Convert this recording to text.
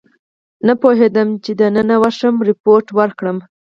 نه پوهېدم چې دننه ورشم ریپورټ ورکړم.